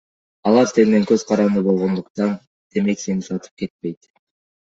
Алар сенден көз каранды болгондуктан, демек сени сатып кетпейт.